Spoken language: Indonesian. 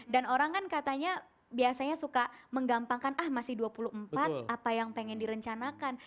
dan orang kan katanya biasanya suka menggampangkan ah masih dua puluh empat apa yang pengen direncanakan